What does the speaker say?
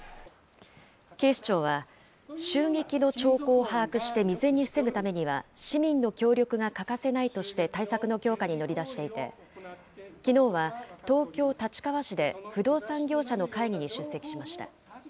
警視庁は、襲撃の兆候を把握して未然に防ぐためには、市民の協力が欠かせないとして対策の強化に乗り出していて、きのうは東京・立川市で不動産業者の会議に出席しました。